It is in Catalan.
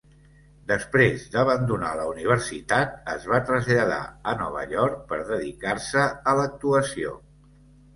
Després d'abandonar la universitat es va traslladar a Nova York per dedicar-se a l'actuació.